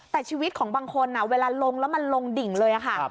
แต่ชีวิตของบางคนเวลาลงแล้วมันลงดิ่งเลยค่ะ